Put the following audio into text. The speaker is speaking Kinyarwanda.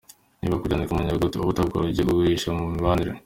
Niba kubyandika mu nyuguti uba utabisobanukiwe ujye ubigumisha mu mibare.